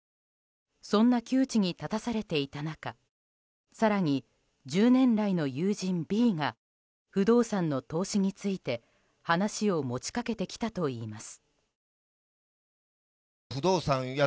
そんな窮地に立たされていた中更に、１０年来の友人Ｂが不動産の投資について話を持ちかけてきたといいます。